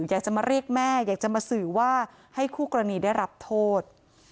อยากจะมาเรียกแม่อยากจะมาสื่อว่าให้คู่กรณีได้รับโทษ